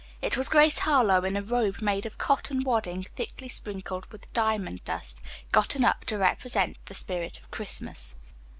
It was Grace Harlowe in a robe made of cotton wadding thickly sprinkled with diamond dust, gotten up to represent the spirit of Christmas.